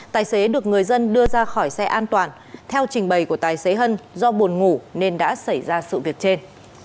tài xế được người dân đưa ra khỏi xe an toàn theo trình bày của tài xế hân do buồn ngủ nên đã xảy ra sự việc trên